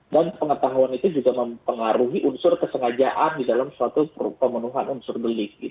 dan pengetahuan itu juga mempengaruhi unsur kesengajaan di dalam suatu pemenuhan unsur belik